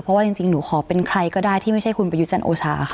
เพราะว่าจริงหนูขอเป็นใครก็ได้ที่ไม่ใช่คุณประยุทธ์จันทร์โอชาค่ะ